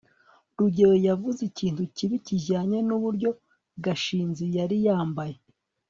rugeyo yavuze ikintu kibi kijyanye n'uburyo gashinzi yari yambaye